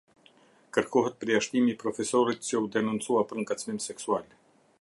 Kërkohet përjashtimi i profesorit që u denoncua për ngacmim seksual.